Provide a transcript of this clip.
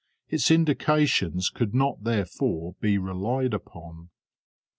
Its indications could not, therefore, be relied upon.